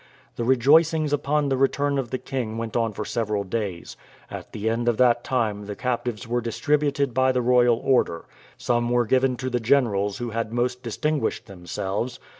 The rejoicings upon the return of the king went on for several days; at the end of that time the captives were distributed by the royal order. Some were given to the generals who had most distinguished themselves.